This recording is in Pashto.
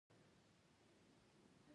واوره د افغانانو د ګټورتیا یوه مهمه برخه ده.